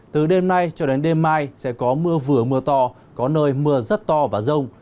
từ đêm nay cho đến đêm mai sẽ có mưa vừa mưa to có nơi mưa rất to và rông